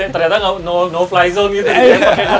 ternyata no fly zone gitu ya